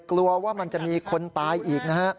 กลัวว่ามันจะมีคนตายอีกนะฮะ